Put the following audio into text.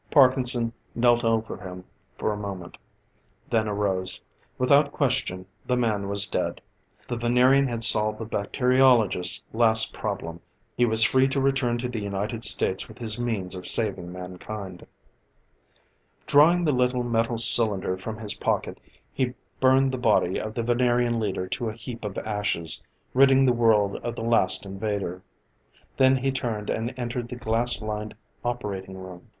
Parkinson knelt over him for a moment, then arose. Without question, the man was dead. The Venerian had solved the bacteriologist's last problem; he was free to return to the United States with his means of saving mankind. Drawing the little metal cylinder from his pocket, he burned the body of the Venerian leader to a heap of ashes, ridding the world of the last invader. Then he turned and entered the glass lined operating room.